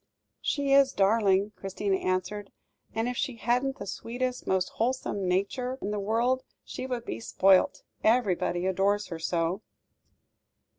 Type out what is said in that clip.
"She is a darling," Christina answered, "and if she hadn't the sweetest, most wholesome nature in the world, she would be spoilt, everybody adores her so!"